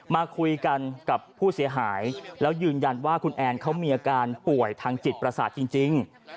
มาคุยกันกับผู้เสียหายแล้วยืนยันว่าคุณแอนเขามีอาการป่วยทางจิตประสาทจริง